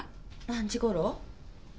何時ごろ？